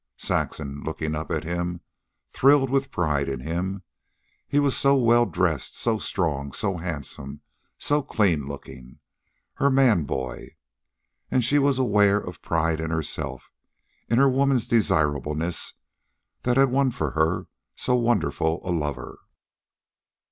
Saxon, looking up at him, thrilled with pride in him, he was so well dressed, so strong, so handsome, so clean looking her man boy. And she was aware of pride in herself, in her woman's desirableness that had won for her so wonderful a lover.